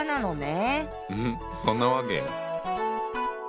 うんそんなわけ！